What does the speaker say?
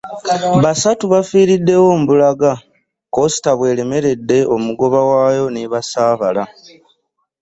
Basatu bafiiriddewo mbulaga, coaster bweremeredde omugoba waayo n'ebasaabala.